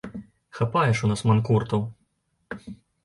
Хапае ж у нас манкуртаў.